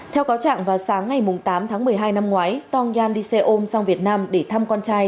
theo cáo trạng vào sáng ngày tám tháng một mươi hai năm ngoái tongyang đi xe ôm sang việt nam để thăm con trai